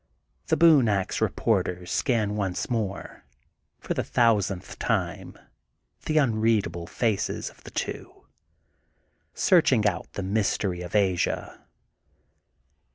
The Boone Ax reporters scan once more, for the thousandth time, the unreadable faces of the two, searching out the Mystery of Asia.